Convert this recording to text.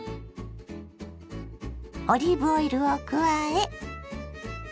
オリーブオイルを加え。